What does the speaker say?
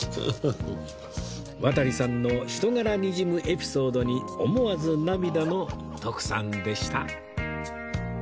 渡さんの人柄にじむエピソードに思わず涙の徳さんでした